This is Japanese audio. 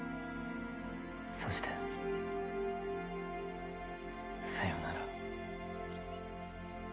そしてさよなら。